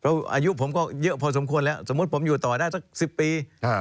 เพราะอายุผมก็เยอะพอสมควรแล้วสมมุติผมอยู่ต่อได้สัก๑๐ปี